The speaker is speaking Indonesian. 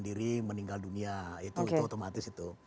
diri meninggal dunia itu otomatis itu